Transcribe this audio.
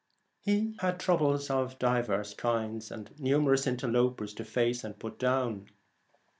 He had troubles of divers kinds, and numerous interlopers to face and put down.